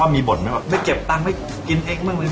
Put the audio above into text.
ว่ามีบทไหมไม่เก็บตังค์ไม่กินเอง